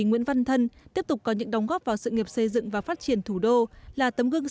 nguyễn văn thân tiếp tục có những đóng góp vào sự nghiệp xây dựng và phát triển thủ đô là tấm gương